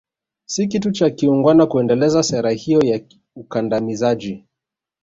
Si kitu cha kiungwana kuendeleza sera hiyo ya ukandamizaji